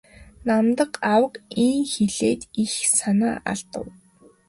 Намдаг авга ийн хэлээд их санаа алдав.